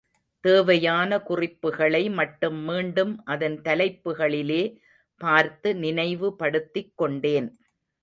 தேவையான குறிப்புக்களை மட்டும் மீண்டும் அதன் தலைப்புக்களிலே பார்த்து நினைவு படுத்திக் கொண்டேன்.